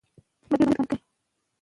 که موږ رښتیا وایو نو ټولنه اصلاح کېږي.